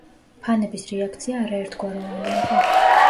ფანების რეაქცია არაერთგვაროვანი იყო.